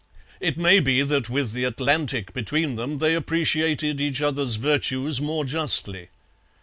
It may be that with the Atlantic between them they appreciated each other's virtues more justly.